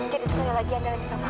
jadi sekali lagi andara minta maaf